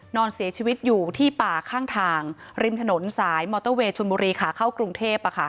นอนเสียชีวิตอยู่ที่ป่าข้างทางริมถนนสายมอเตอร์เวย์ชนบุรีขาเข้ากรุงเทพ